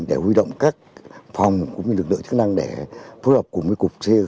để huy động các phòng cũng như lực lượng chức năng để phối hợp cùng với c năm